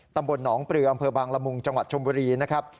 ตำบลหนองปลืออำเภอบางละมุงจังหวัดชมบุรีนะครับ